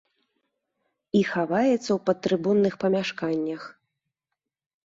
І хаваецца ў падтрыбунных памяшканнях.